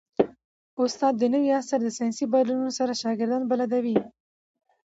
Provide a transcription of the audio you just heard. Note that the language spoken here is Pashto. استاد د نوي عصر د ساینسي بدلونونو سره شاګردان بلدوي.